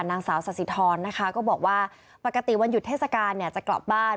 นางสาวสาธิธรนะคะก็บอกว่าปกติวันหยุดเทศกาลเนี่ยจะกลับบ้าน